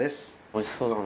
おいしそうだな